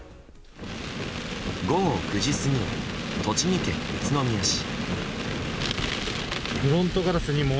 午後９時過ぎの栃木県宇都宮市。